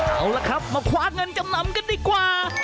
เอาละครับมาคว้าเงินจำนำกันดีกว่า